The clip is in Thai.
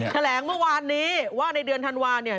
แถลงเมื่อวานนี้ว่าในเดือนธันวาเนี่ย